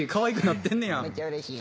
めっちゃうれしい。